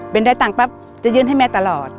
เป็นได้ตังค์ปั๊บจะยื่นให้แม่ตลอด